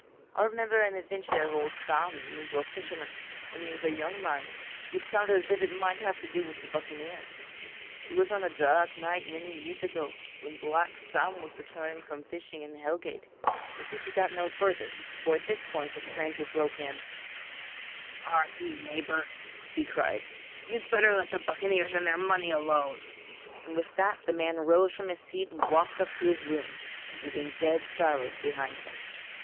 I remember an adventure of old Sam, the negro fisherman, when he was a young man, which sounded as if it might have to do with the buccaneers. It was on a dark night many years ago, when Black Sam was returning from fishing in Hellgate ' but Peechy got no further, for at this point the stranger broke in: 'Hark'ee, neighbour,' he cried; 'you'd better let the buccaneers and their money alone,' and with that the man rose from his seat and walked up to his room, leaving dead silence behind him.